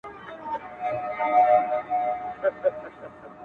• چي مېړه وي هغه تل پر یو قرار وي ,